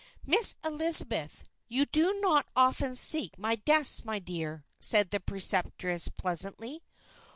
"Miss Elizabeth! you do not often seek my desk, my dear," said the preceptress pleasantly.